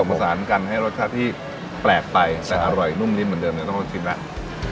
ผสานกันให้รสชาติที่แปลกไปแต่อร่อยนุ่มนิ่มเหมือนเดิมเนี่ยต้องชิมแล้ว